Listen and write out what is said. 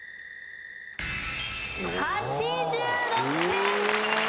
８６点。